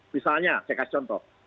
misalnya saya kasih contoh